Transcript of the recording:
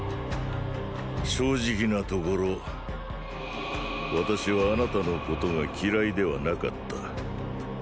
正直なところ私はあなたのことが嫌いではなかった。